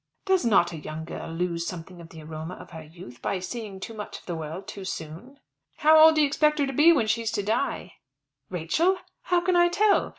"Does not a young girl lose something of the aroma of her youth by seeing too much of the world too soon?" "How old do you expect her to be when she's to die?" "Rachel! How can I tell?